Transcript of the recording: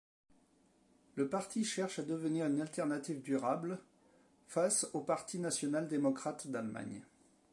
Le parti cherche à devenir une alternative durable face au Parti national-démocrate d'Allemagne.